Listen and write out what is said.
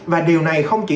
và điều này không chỉ